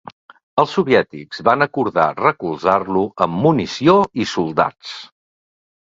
Els soviètics van acordar recolzar-lo amb munició i soldats.